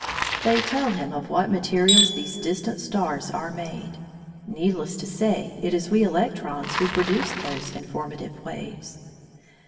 They tell him of what materials these distant stars are made. Needless to say, it is we electrons who produce those informative waves.